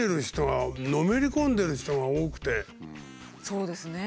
そうですね。